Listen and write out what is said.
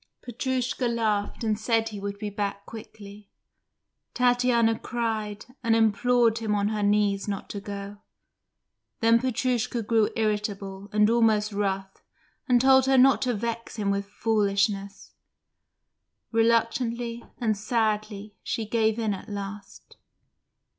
Petrushka laughed and said he would be back quickly. Tatiana cried, and implored him on her knees not to go. Then Petrushka grew irritable and almost rough, and told her not to vex him with foolishness. Reluctantly and sadly she gave in at last.